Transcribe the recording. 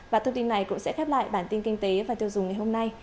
và thông tin này cũng sẽ khép lại bản tin kinh tế và tiêu dùng ngày hôm nay